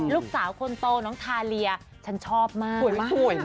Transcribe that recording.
ลูกสาวคนโตน้องทาเลียฉันชอบมาก